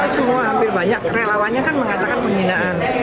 semua hampir banyak relawannya kan mengatakan penghinaan